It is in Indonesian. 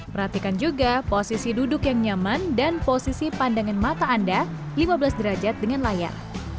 perhatikan juga posisi duduk yang nyaman dan posisi pandangan mata anda lima belas derajat dengan layar